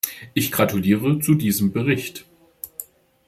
Ich gratuliere zu diesem Bericht.